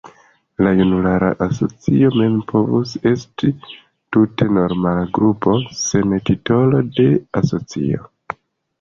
La junulara asocio mem povus esti tute normala grupo, sen la titolo de asocio.